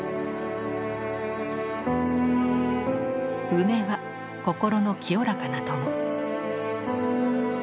梅は心の清らかな友。